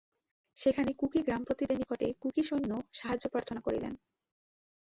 সেখানে কুকি-গ্রামপতিদের নিকটে কুকি-সৈন্য সাহায্য প্রার্থনা করিলেন।